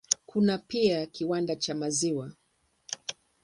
Kuna pia kiwanda cha maziwa.